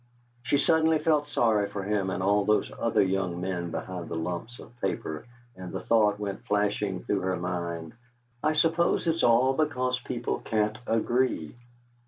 She suddenly felt sorry for him and all those other young men behind the lumps of paper, and the thought went flashing through her mind, 'I suppose it's all because people can't agree.'